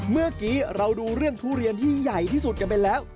เมื่อกี้เราดูเรื่องทุเรียนที่ใหญ่ที่สุดกันไปแล้ว